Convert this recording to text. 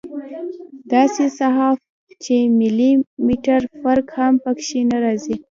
داسې صاف چې ملي مټر فرق هم پکښې نه رځي.